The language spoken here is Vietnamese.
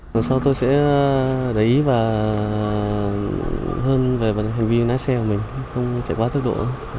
lần sau tôi sẽ để ý hơn về hành vi nát xe của mình không chạy quá tốc độ